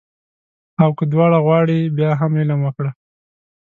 او که دواړه غواړې بیا هم علم وکړه